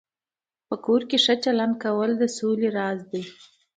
په کور کې ښه چلند کول د سولې راز دی.